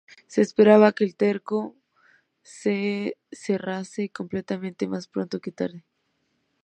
Se esperaba que el cerco se cerrase completamente más pronto que tarde.